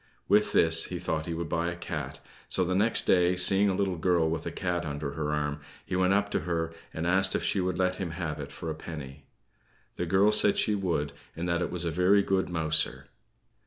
With this he thought he would buy a cat; so the next day, seeing a little girl with a cat under her arm, he went up to her, and asked if she would let him have it for a penny. The girl said she would, and that it was a very good mouser.